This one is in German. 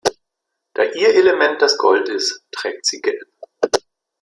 Da ihr Element das Gold ist, trägt sie Gelb.